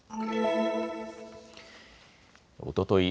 おととい